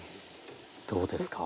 どうですか？